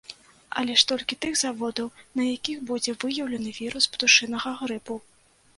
Але ж толькі тых заводаў, на якіх будзе выяўлены вірус птушынага грыпу.